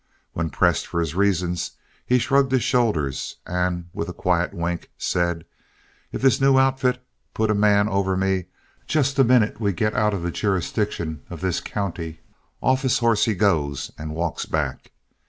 When pressed for his reasons, he shrugged his shoulders, and with a quiet wink, said: "If this new outfit put a man over me, just the minute we get out of the jurisdiction of this county, off his horse he goes and walks back.